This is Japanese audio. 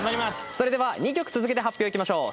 それでは２曲続けて発表行きましょう。